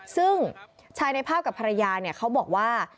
ซึ่งชายในภาพกับภรรยาเนี่ยเขาบอกว่า